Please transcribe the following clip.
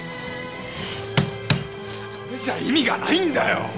それじゃ意味がないんだよ！